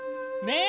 ね